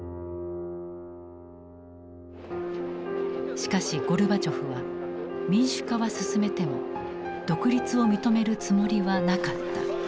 しかしゴルバチョフは民主化は進めても独立を認めるつもりはなかった。